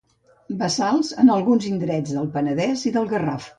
Bassals en alguns indrets del Penedès i del Garraf.